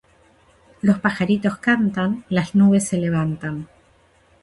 Los pajaritos cantan, las nubes se levantan.